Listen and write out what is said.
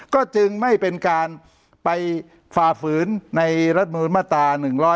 ก็จึงไม่เป็นการไปฝ่าฝืนในรัฐมนุนมาตรา๑๕